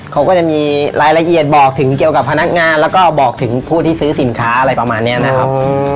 เขาก็จะมีรายละเอียดบอกถึงเกี่ยวกับพนักงานแล้วก็บอกถึงผู้ที่ซื้อสินค้าอะไรประมาณนี้นะครับ